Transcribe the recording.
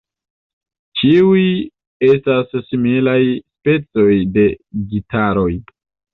Ĉiuj estas similaj specoj de gitaroj.